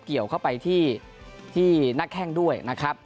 เกี่ยวเข้าไปที่หน้าแข้งด้วยนะครับ